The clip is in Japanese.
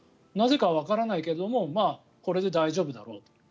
なぜかはわからないけどもこれで大丈夫だろうと。